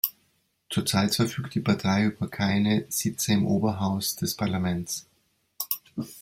Zurzeit verfügt die Partei über keine Sitze im Oberhaus des Parlaments.